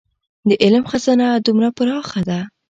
د علم خزانه دومره پراخه ده.